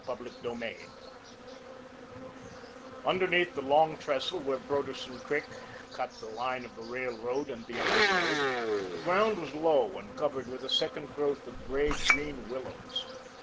CHAPTER II Underneath the Long Trestle where Broderson Creek cut the line of the railroad and the Upper Road, the ground was low and covered with a second growth of grey green willows.